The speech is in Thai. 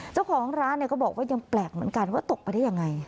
เจ้าของร้านก็บอกว่ายังแปลกเหมือนกันว่าตกไปได้ยังไง